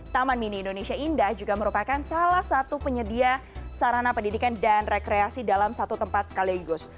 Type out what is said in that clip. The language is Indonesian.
taman mini indonesia indah juga merupakan salah satu penyedia sarana pendidikan dan rekreasi dalam satu tempat sekaligus